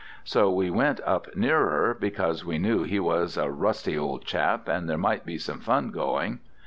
So we went up nearer, because we knew he was a rusty old chap and there might be some fun going.